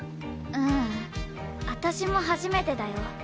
ううん私も初めてだよ。